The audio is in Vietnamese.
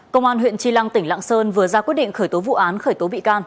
công an huyện tri lăng tỉnh lạng sơn vừa ra quyết định khởi tố vụ án khởi tố bị can